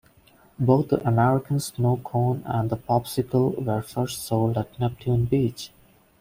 Both the American snow cone and the popsicle were first sold at Neptune Beach.